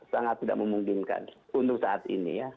sangat tidak memungkinkan untuk saat ini ya